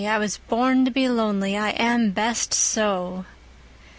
I was born to be lonely, I am best so!"